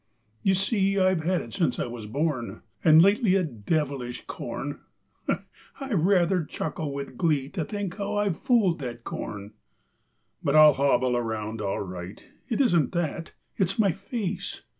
You see I've had it since I was born; And lately a devilish corn. (I rather chuckle with glee To think how I've fooled that corn.) But I'll hobble around all right. It isn't that, it's my face.